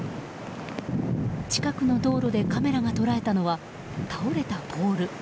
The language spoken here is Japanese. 近くの道路でカメラが捉えたのは倒れたポール。